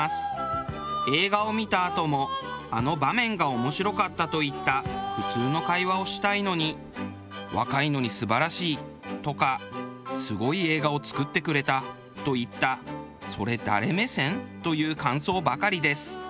映画を見たあとも「あの場面が面白かった」といった普通の会話をしたいのに「若いのに素晴らしい」とか「すごい映画を作ってくれた」といったそれ誰目線？という感想ばかりです。